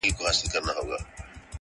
ښکلي زلمي به یې تر پاڼو لاندي نه ټولیږي،